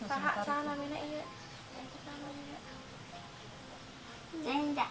denda berhubungan dengan allah